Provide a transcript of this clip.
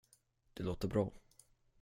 Det låter bra.